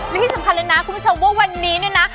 และที่สำคัญเลยนะคุณผู้ชมว่าวันนี้เนี่ยนะ